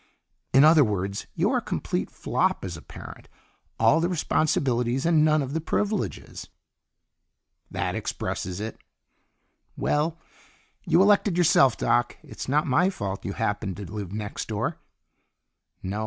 "In other words, you're a complete flop as a parent. All the responsibilities, and none of the privileges." "That expresses it." "Well, you elected yourself, Doc. It's not my fault you happened to live next door." "No.